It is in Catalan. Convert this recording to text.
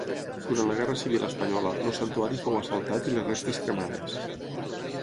Durant la Guerra civil espanyola, el santuari fou assaltat i les restes cremades.